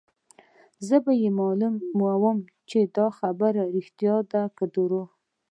زه به يې معلوموم چې دا خبره ريښتیا ده که درواغ.